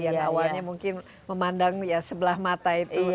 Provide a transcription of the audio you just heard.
yang awalnya mungkin memandang ya sebelah mata itu